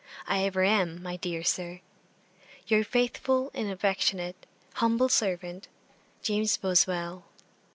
I ever am, my dear Sir, 'Your faithful and affectionate, 'humble servant, 'JAMES BOSWELL.'